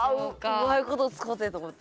うまいこと使うてと思って。